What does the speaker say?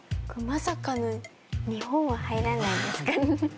まさかの日本は入らないですか？